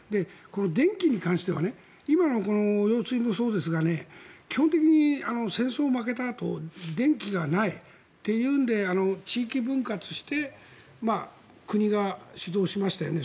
電気に関しては今の揚水もそうですが基本的に戦争に負けたあと電気がないっていうんで地域分割して国が主導しましたよね。